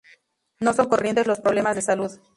No son corrientes los problemas de salud.